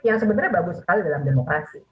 yang sebenarnya bagus sekali dalam demokrasi